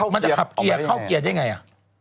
มันจะขับเกียร์เข้าเกียร์ได้ไงอ่ะ